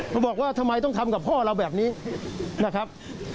เขาบอกว่าทำไมต้องทำกับพ่อเราแบบนี้นะครับ